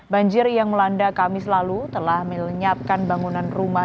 banjir yang melanda kami selalu telah menyapkan bangunan rumah